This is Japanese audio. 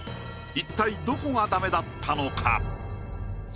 一体どこがダメだったのか？